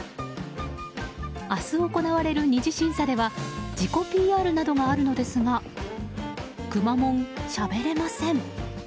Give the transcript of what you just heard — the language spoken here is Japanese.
明日行われる２次審査では自己ＰＲなどがあるのですがくまモン、しゃべれません。